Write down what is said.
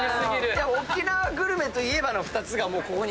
沖縄グルメといえばの２つがもうここにあるからさ。